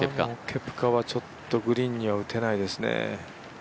ケプカはちょっとグリーンには打てないですね。